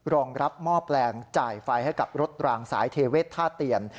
รองรับหม้อแปลงจ่ายไฟให้กับรถรางสายเทเวศท่าเตียน